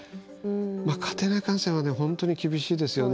家庭内感染は本当に厳しいですよね。